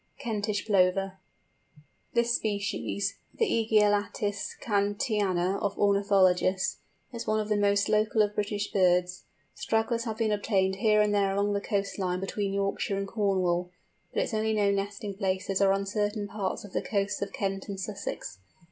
KENTISH PLOVER. This species, the Ægialitis cantiana of ornithologists, is one of the most local of British birds. Stragglers have been obtained here and there along the coast line between Yorkshire and Cornwall, but its only known nesting places are on certain parts of the coasts of Kent and Sussex.